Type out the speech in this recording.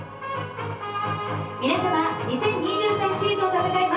・皆さま２０２３シーズンを戦います